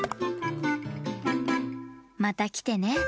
またきてね。